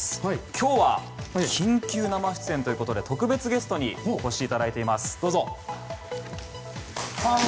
今日は緊急生出演ということで特別ゲストにお越しいただいています。